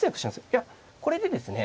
いやこれでですね